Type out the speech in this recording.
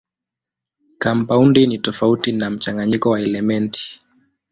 Kampaundi ni tofauti na mchanganyiko wa elementi.